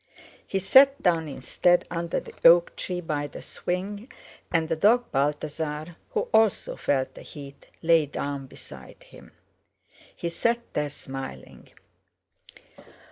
He sat down instead under the oak tree by the swing, and the dog Balthasar, who also felt the heat, lay down beside him. He sat there smiling.